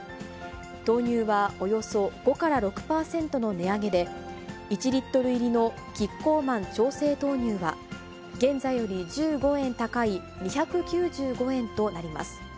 豆乳はおよそ５から６％の値上げで、１リットル入りのキッコーマン調整豆乳は、現在より１５円高い２９５円となります。